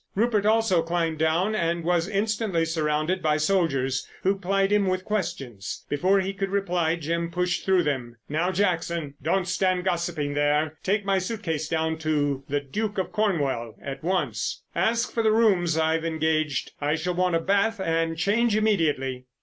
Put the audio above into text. Rupert also climbed down and was instantly surrounded by soldiers, who plied him with questions. Before he could reply Jim pushed through them. "Now, Jackson, don't stand gossiping there! Take my suit case down to the 'Duke of Cornwall' at once. Ask for the rooms I've engaged. I shall want a bath and change immediately."